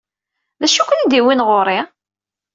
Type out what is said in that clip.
D acu ay ken-id-yewwin ɣer-i?